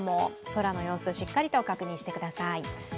空の様子を、しっかりと確認してください。